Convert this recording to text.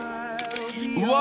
［うわ！］